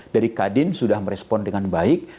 dari kadin sudah merespon dengan baik